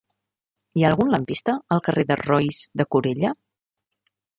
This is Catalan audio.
Hi ha algun lampista al carrer de Roís de Corella?